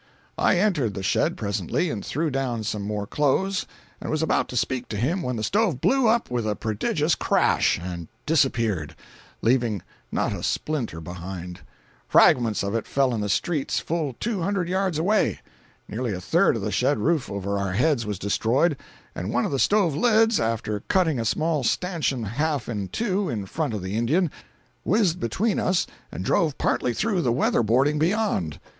I entered the shed presently and threw down some more clothes, and was about to speak to him when the stove blew up with a prodigious crash, and disappeared, leaving not a splinter behind. Fragments of it fell in the streets full two hundred yards away. Nearly a third of the shed roof over our heads was destroyed, and one of the stove lids, after cutting a small stanchion half in two in front of the Indian, whizzed between us and drove partly through the weather boarding beyond.